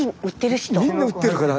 スタジオみんな売ってるから。